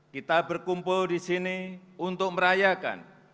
kita berkumpul di sini untuk merayakan